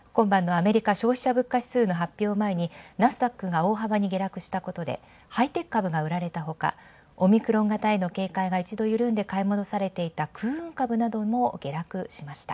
今晩のアメリカ消費者物価指数発表を大幅に下落したことでハイテク株が売られたほか、オミクロン株への警戒で一度買い戻されていた空運株なども下落しました。